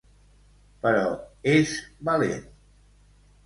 Però és valent.